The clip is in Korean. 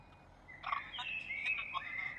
네, 선생님.